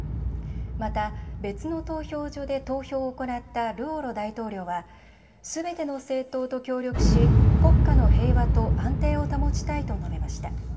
また、別の投票所で投票を行ったルオロ大統領はすべての政党と協力し国家の平和と安定を保ちたいと述べました。